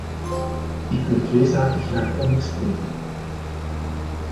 Ik wil twee zaken graag onderstrepen.